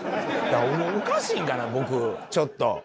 おかしいんかな、僕、ちょっと。